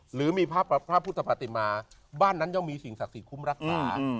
หรือมีพระพุทธปฏิมาบ้านนั้นย่อมมีสิ่งศักดิ์สิทธิคุ้มรักษา